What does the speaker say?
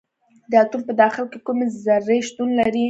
د اتوم په داخل کې کومې ذرې شتون لري.